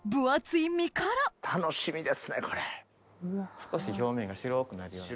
少し表面が白くなるように。